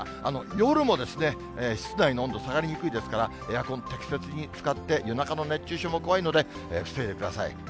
夜も室内の温度、下がりにくいですから、エアコン、適切に使って夜中の熱中症も怖いので、防いでください。